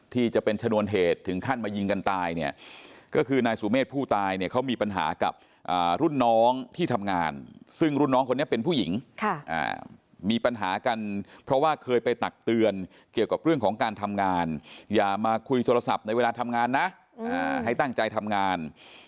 ที่จะเป็นชนวนเหตุถึงขั้นมายิงกันตายเนี่ยก็คือนายสุเมฆผู้ตายเนี่ยเขามีปัญหากับรุ่นน้องที่ทำงานซึ่งรุ่นน้องคนนี้เป็นผู้หญิงมีปัญหากันเพราะว่าเคยไปตักเตือนเกี่ยวกับเรื่องของการทำงานอย่ามาคุยโทรศัพท์ในเวลาทำงานนะให้ตั้งใจทำงาน